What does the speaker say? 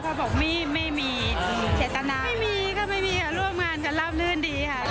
ก็บอกไม่มีเจตนาไม่มีก็ไม่มีค่ะร่วมงานกันราบลื่นดีค่ะ